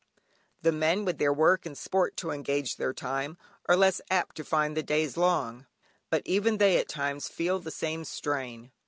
The men, with their work and sport to engage their time, are less apt to find the days long; but even they at times feel the same strain.